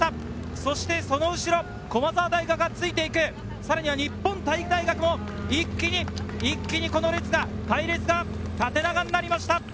そしてその後ろ、駒澤大学がついていく、さらには日本体育大学も一気に、一気にこの列が隊列が縦長になりました。